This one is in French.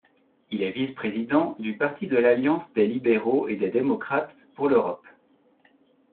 Il est vice-président du Parti de l'Alliance des libéraux et des démocrates pour l'Europe.